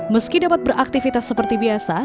meski dapat beraktivitas seperti biasa